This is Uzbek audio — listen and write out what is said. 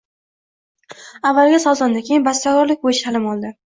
Avvaliga, sozanda, keyin bastakorlik bo’yicha ta’lim oldi.